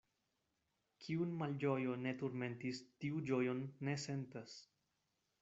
Kiun malĝojo ne turmentis, tiu ĝojon ne sentas.